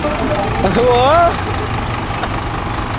এই ভয়ঙ্কর ক্ষমতার উৎস কী?